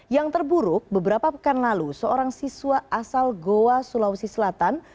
yang terburuk beberapa pekan lalu seorang siswa asal goa sulawesi selatan